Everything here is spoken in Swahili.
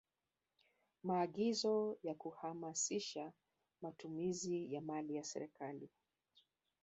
Maagizo ya kuhamasisha matumizi ya mali za serikali